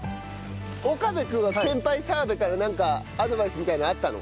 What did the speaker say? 岡部君は先輩澤部からなんかアドバイスみたいのあったの？